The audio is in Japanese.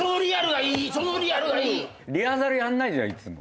リハーサルやんないじゃんいつも。